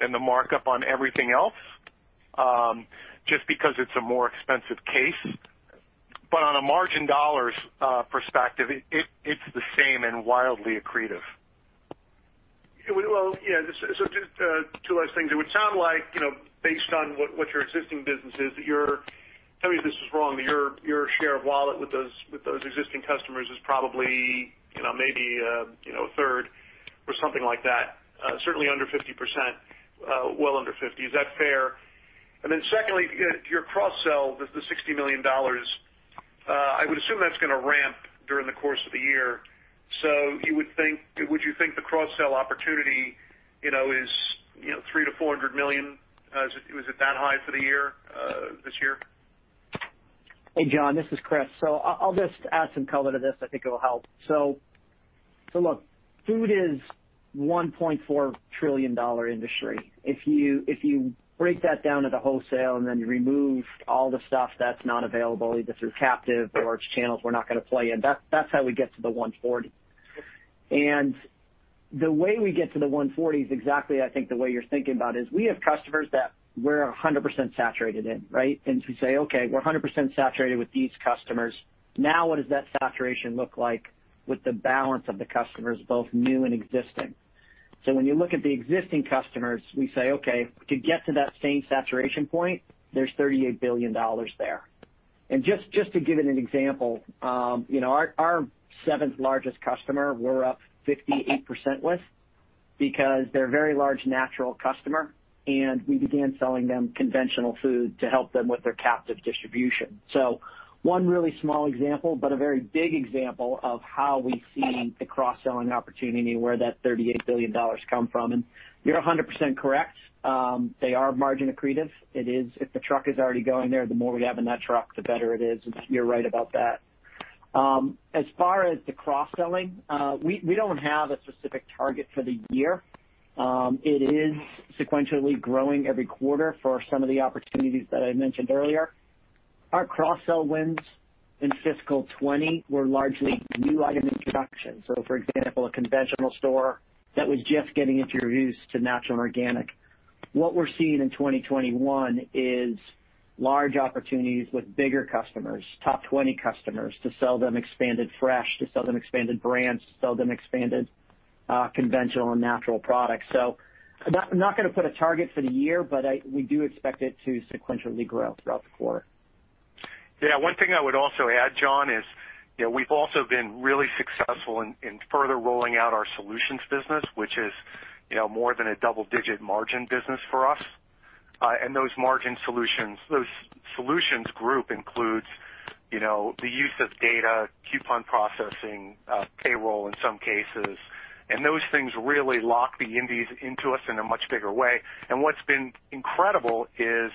than the markup on everything else, just because it's a more expensive case. On a margin dollars perspective, it's the same and wildly accretive. Well, yeah. Two last things. It would sound like based on what your existing business is, that you're, tell me if this is wrong, but your share of wallet with those existing customers is probably maybe a third or something like that. Certainly under 50%. Well under 50. Is that fair? Secondly, your cross sell, the $60 million, I would assume that's going to ramp during the course of the year. Would you think the cross sell opportunity is $300 million-$400 million? Is it that high for the year, this year? Hey, John, this is Chris. I'll just add some color to this. I think it'll help. Look, food is $1.4 trillion industry. If you break that down at the wholesale and then you remove all the stuff that's not available either through captive or its channels we're not going to play in, that's how we get to the $140. The way we get to the 140 is exactly, I think, the way you're thinking about is we have customers that we're 100% saturated in. Right? We say, "Okay, we're 100% saturated with these customers. Now, what does that saturation look like with the balance of the customers, both new and existing?" When you look at the existing customers, we say, "Okay, to get to that same saturation point, there's $38 billion there." Just to give it an example, our seventh largest customer, we're up 58% with because they're a very large natural customer, and we began selling them conventional food to help them with their captive distribution. One really small example, but a very big example of how we see the cross-selling opportunity and where that $38 billion come from. You're 100% correct. They are margin accretive. If the truck is already going there, the more we have in that truck, the better it is. You're right about that. As far as the cross-selling, we don't have a specific target for the year. It is sequentially growing every quarter for some of the opportunities that I mentioned earlier. Our cross-sell wins in fiscal 2020 were largely new item introductions. For example, a conventional store that was just getting introduced to natural and organic. What we're seeing in 2021 is large opportunities with bigger customers, top 20 customers, to sell them expanded fresh, to sell them expanded brands, to sell them expanded conventional and natural products. I'm not going to put a target for the year, but we do expect it to sequentially grow throughout the quarter. Yeah. One thing I would also add, John, is we've also been really successful in further rolling out our solutions business, which is more than a double-digit margin business for us. Those margin solutions, those solutions group includes the use of data, coupon processing, payroll in some cases, and those things really lock the indies into us in a much bigger way. What's been incredible is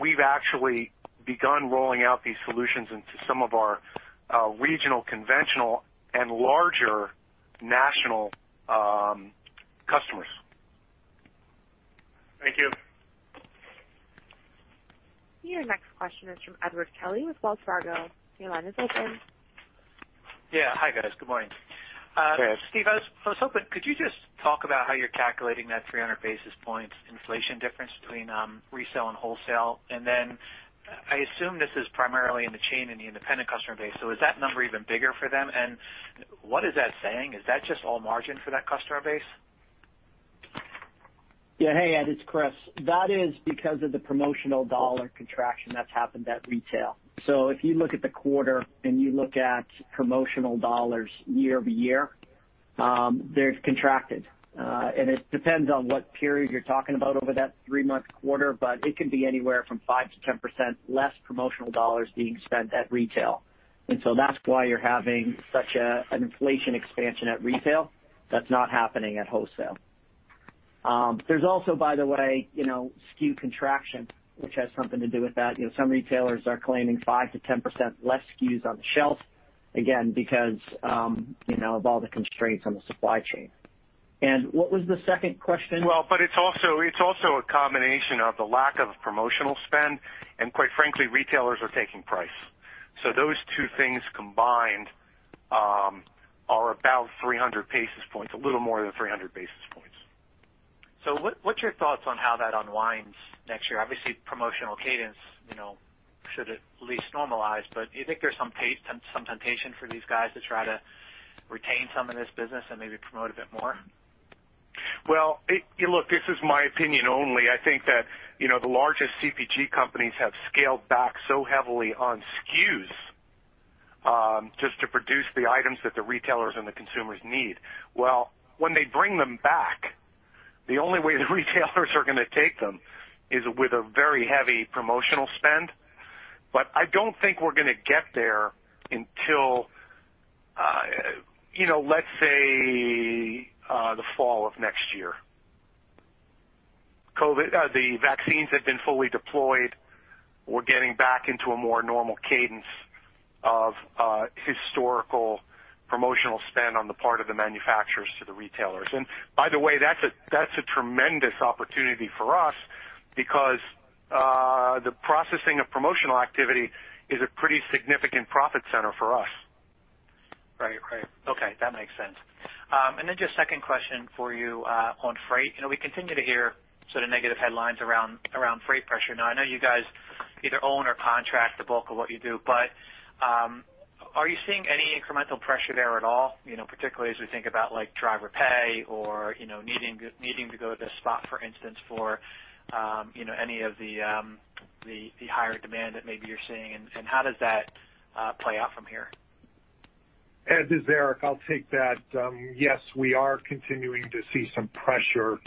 we've actually begun rolling out these solutions into some of our regional, conventional, and larger national customers. Thank you. Your next question is from Edward Kelly with Wells Fargo. Your line is open. Yeah. Hi, guys. Good morning. Hey, Ed. Steve, I was hoping, could you just talk about how you're calculating that 300 basis points inflation difference between retail and wholesale? I assume this is primarily in the chain and the independent customer base. Is that number even bigger for them, and what is that saying? Is that just all margin for that customer base? Yeah. Hey, Ed, it's Chris. That is because of the promotional dollar contraction that's happened at retail. If you look at the quarter and you look at promotional dollars year-over-year, they've contracted. It depends on what period you're talking about over that three-month quarter, but it could be anywhere from 5%-10% less promotional dollars being spent at retail. That's why you're having such an inflation expansion at retail that's not happening at wholesale. There's also, by the way, SKU contraction, which has something to do with that. Some retailers are claiming 5%-10% less SKUs on the shelf- again, because of all the constraints on the supply chain. What was the second question? It's also a combination of the lack of promotional spend, and quite frankly, retailers are taking price. Those two things combined are about 300 basis points, a little more than 300 basis points. What's your thoughts on how that unwinds next year? Obviously, promotional cadence should at least normalize, but do you think there's some temptation for these guys to try to retain some of this business and maybe promote a bit more? Well, look, this is my opinion only. I think that the largest CPG companies have scaled back so heavily on SKUs, just to produce the items that the retailers and the consumers need. Well when we bring them back, the only way the retailers are going to take them, is with a very heavy promotional spend. But, I don't think we're going to get there until, let's say, the fall of next year. The vaccines have been fully deployed. We're getting back into a more normal cadence of historical promotional spend on the part of the manufacturers to the retailers. By the way, that's a tremendous opportunity for us because the processing of promotional activity is a pretty significant profit center for us. Right. Okay. That makes sense. Just second question for you on freight. We continue to hear sort of negative headlines around freight pressure. Now, I know you guys either own or contract the bulk of what you do, but are you seeing any incremental pressure there at all, particularly as we think about driver pay or needing to go to spot, for instance, for any of the higher demand that maybe you're seeing, and how does that play out from here? Ed, this is Eric. I'll take that. Yes, we are continuing to see some pressure,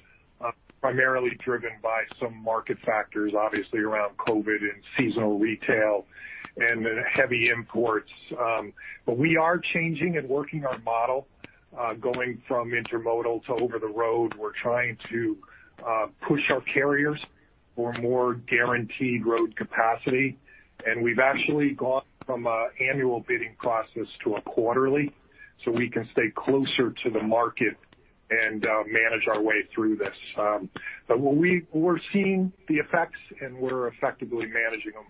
primarily driven by some market factors, obviously, around COVID and seasonal retail and the heavy imports. We are changing and working our model, going from intermodal to over the road. We're trying to push our carriers for more guaranteed road capacity, and we've actually gone from an annual bidding process to a quarterly so we can stay closer to the market and manage our way through this. We're seeing the effects, and we're effectively managing them,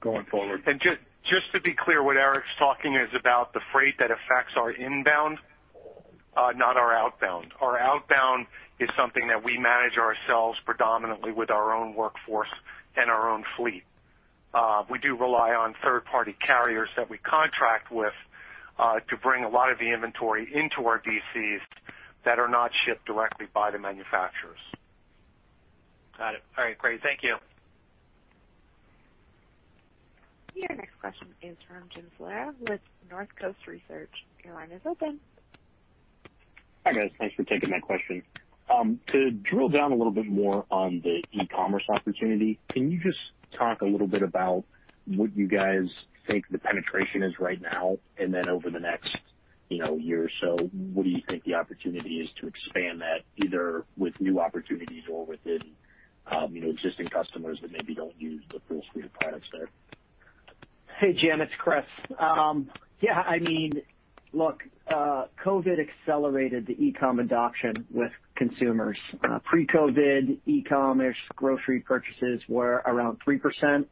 going forward. Just to be clear, what Eric's talking is about the freight that affects our inbound, not our outbound. Our outbound is something that we manage ourselves predominantly with our own workforce and our own fleet. We do rely on third-party carriers that we contract with to bring a lot of the inventory into our DCs that are not shipped directly by the manufacturers. Got it. All right, great. Thank you. Your next question is from Jim Salera with Northcoast Research. Your line is open. Hi, guys. Thanks for taking my question. To drill down a little bit more on the e-commerce opportunity, can you just talk a little bit about what you guys think the penetration is right now and then over the next year or so, what do you think the opportunity is to expand that, either with new opportunities or within existing customers that maybe don't use the full suite of products there? Hey, Jim, it's Chris. Yeah. Look, COVID accelerated the e-com adoption with consumers. Pre-COVID e-commerce grocery purchases were around 3%.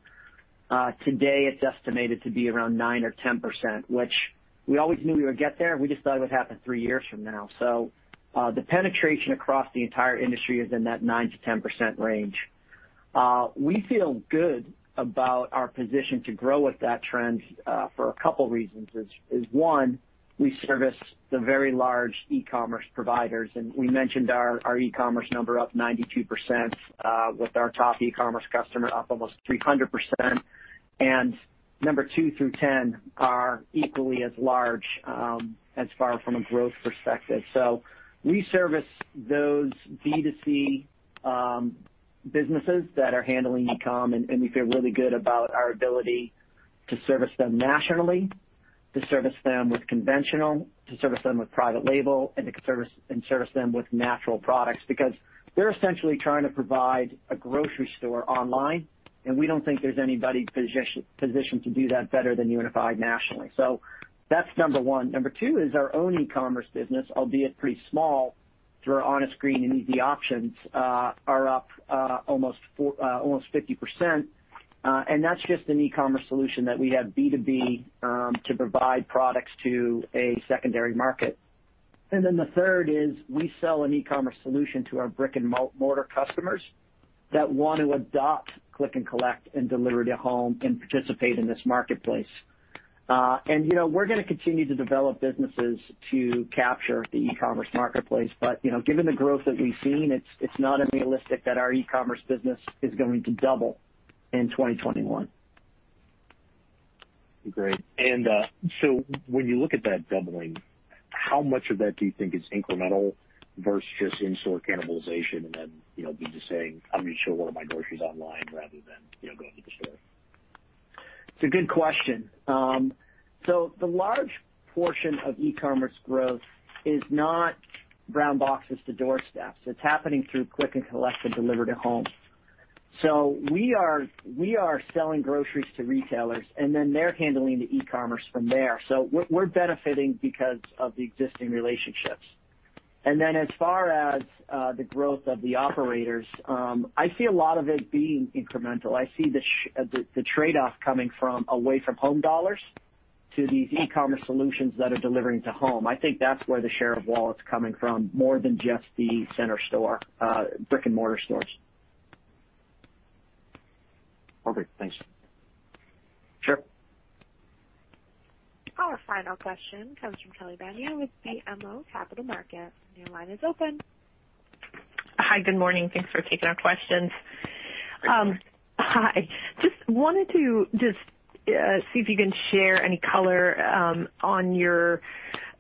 Today, it's estimated to be around 9 or 10%, which we always knew we would get there. We just thought it would happen three years from now. The penetration across the entire industry is in that 9%-10% range. We feel good about our position to grow with that trend for a couple of reasons- is one, we service the very large e-commerce providers, and we mentioned our e-commerce number up 92% with our top e-commerce customer up almost 300%. Number two through 10 are equally as large as far from a growth perspective. We service those B2C businesses that are handling e-com, and we feel really good about our ability to service them nationally, to service them with conventional, to service them with private label, and to service them with natural products. They're essentially trying to provide a grocery store online, and we don't think there's anybody positioned to do that better than UNFI nationally. That's number one. Number two is our own e-commerce business- albeit pretty small, through our Honest Green and Easy Options, are up almost 50%. That's just an e-commerce solution that we have B2B to provide products to a secondary market. The third is we sell an e-commerce solution to our brick-and-mortar customers that want to adopt click and collect and deliver to home and participate in this marketplace. We're going to continue to develop businesses to capture the e-commerce marketplace. Given the growth that we've seen, it's not unrealistic that our e-commerce business is going to double in 2021. Great. When you look at that doubling, how much of that do you think is incremental versus just in-store cannibalization and then, me just saying, "I'm going to show one of my groceries online rather than going to the store?" It's a good question. The large portion of e-commerce growth is not brown boxes to doorsteps. It's happening through click and collect and deliver to home. We are selling groceries to retailers, and then they're handling the e-commerce from there. We're benefiting because of the existing relationships. As far as the growth of the operators, I see a lot of it being incremental. I see the trade-off coming from away from home dollars to these e-commerce solutions that are delivering to home. I think that's where the share of wallet's coming from, more than just the center store, brick-and-mortar stores. Okay, thanks. Sure. Our final question comes from Kelly Bania with BMO Capital Markets. Your line is open. Hi. Good morning. Thanks for taking our questions. Hi. Wanted to see if you can share any color on your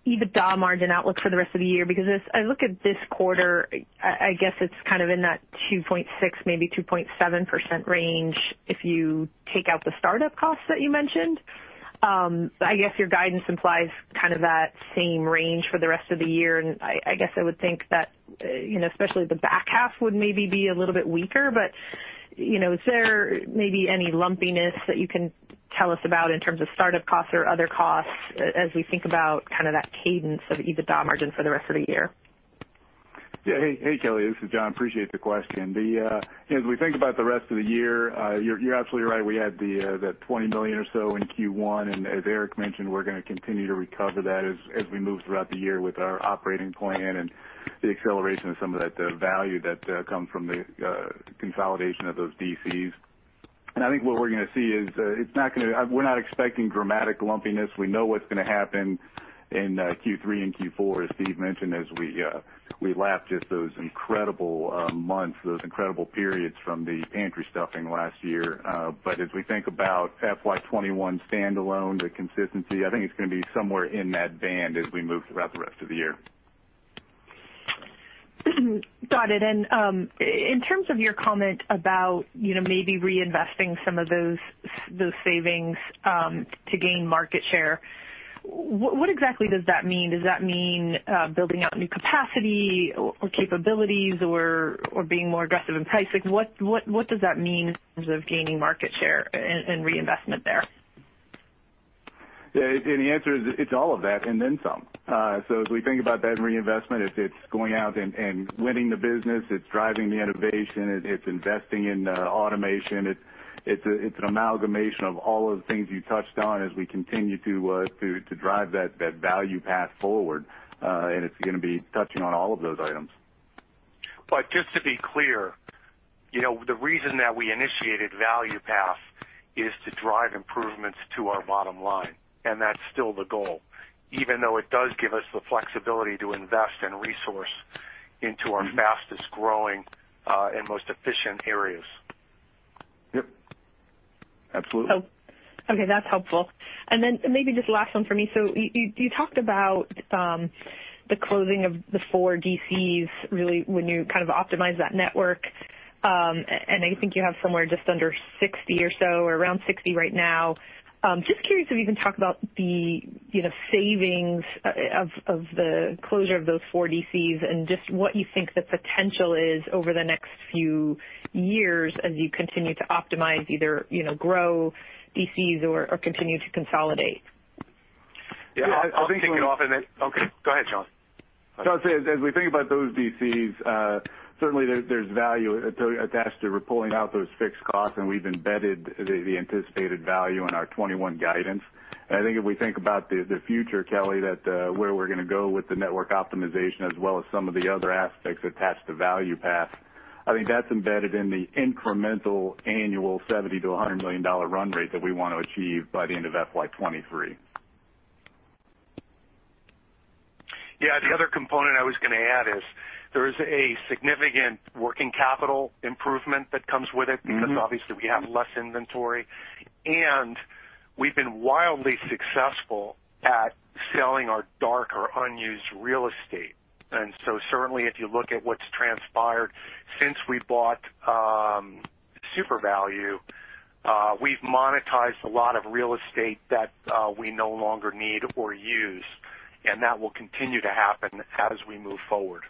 EBITDA margin outlook for the rest of the year, because as I look at this quarter, I guess it's kind of in that 2.6, maybe 2.7% range- if you take out the startup costs that you mentioned. I guess your guidance implies kind of that same range for the rest of the year, and I guess I would think that especially the back half would maybe be a little bit weaker, but is there maybe any lumpiness that you can tell us about in terms of startup costs or other costs as we think about kind of that cadence of EBITDA margin for the rest of the year? Hey, Kelly. This is John. Appreciate the question. As we think about the rest of the year, you're absolutely right. We had that $20 million or so in Q1. As Eric mentioned, we're gonna continue to recover that as we move throughout the year with our operating plan and the acceleration of some of that value that comes from the consolidation of those DCs. I think what we're gonna see is we're not expecting dramatic lumpiness. We know what's gonna happen in Q3 and Q4, as Steve mentioned, as we lap just those incredible months, those incredible periods from the pantry stuffing last year. As we think about FY 2021 standalone, the consistency, I think it's gonna be somewhere in that band as we move throughout the rest of the year. Got it. In terms of your comment about maybe reinvesting some of those savings to gain market share, what exactly does that mean? Does that mean building out new capacity or capabilities or being more aggressive in pricing? What does that mean in terms of gaining market share and reinvestment there? The answer is, it's all of that and then some. As we think about that reinvestment, it's going out and winning the business. It's driving the innovation. It's investing in automation. It's an amalgamation of all of the things you touched on as we continue to drive that ValuePath forward. It's going to be touching on all of those items. Just to be clear, the reason that we initiated ValuePath is to drive improvements to our bottom line, and that's still the goal, even though it does give us the flexibility to invest and resource into our fastest-growing, and most efficient areas. Yep. Absolutely. Okay. That's helpful. Maybe just last one for me. You talked about the closing of the four DCs, really when you kind of optimized that network, and I think you have somewhere just under 60 or so, or around 60 right now. Just curious if you can talk about the savings of the closure of those four DCs and just what you think the potential is over the next few years as you continue to optimize, either grow DCs or continue to consolidate. Yeah. I'll kick it off and then- okay, go ahead, John. I'll say, as we think about those DCs, certainly there's value attached to pulling out those fixed costs, and we've embedded the anticipated value in our 2021 guidance. I think if we think about the future, Kelly, that where we're going to go with the network optimization as well as some of the other aspects attached to ValuePath, I think that's embedded in the incremental annual $70 million-$100 million run rate that we want to achieve by the end of FY 2023. The other component I was going to add is there is a significant working capital improvement that comes with it because obviously we have less inventory, and we've been wildly successful at selling our dark or unused real estate. Certainly if you look at what's transpired since we bought SUPERVALU, we've monetized a lot of real estate that we no longer need or use, and that will continue to happen as we move forward.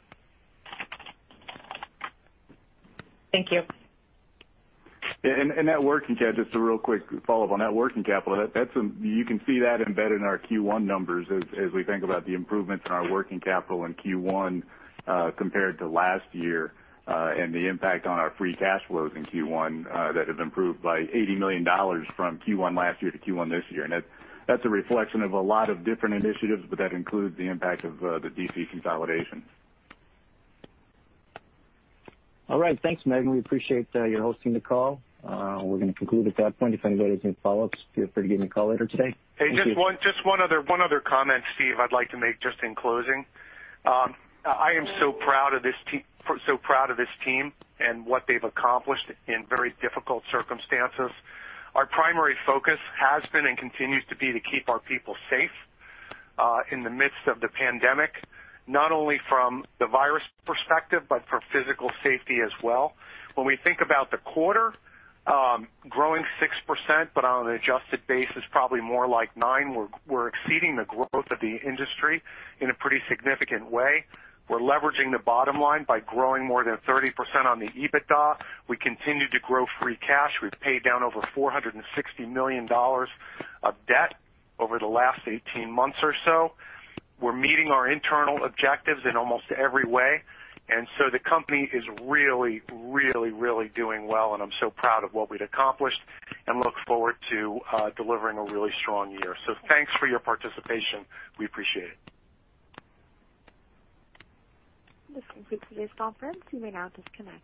Thank you. Yeah. Net working- Kelly, just a real quick follow-up on that working capital. You can see that embedded in our Q1 numbers as we think about the improvements in our working capital in Q1 compared to last year, and the impact on our free cash flows in Q1 that have improved by $80 million from Q1 last year to Q1 this year. That's a reflection of a lot of different initiatives, but that includes the impact of the DC consolidation. All right. Thanks, Megan. We appreciate your hosting the call. We're going to conclude at that point. If anybody has any follow-ups, feel free to give me a call later today. Thank you. Just one other comment, Steve, I'd like to make just in closing. I am so proud of this team and what they've accomplished in very difficult circumstances. Our primary focus has been, and continues to be, to keep our people safe in the midst of the pandemic, not only from the virus perspective, but for physical safety as well. When we think about the quarter, growing 6%, on an adjusted basis, probably more like 9%, we're exceeding the growth of the industry in a pretty significant way. We're leveraging the bottom line by growing more than 30% on the EBITDA. We continue to grow free cash. We've paid down over $460 million of debt over the last 18 months or so. We're meeting our internal objectives in almost every way, and so the company is really doing well, and I'm so proud of what we'd accomplished and look forward to delivering a really strong year. Thanks for your participation. We appreciate it. This concludes today's conference. You may now disconnect.